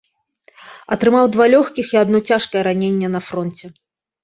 Атрымаў два лёгкіх і адно цяжкае раненне на фронце.